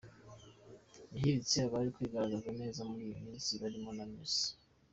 Yahigitse abari kwigaragaza neza muri iyi minsi barimo na Mr.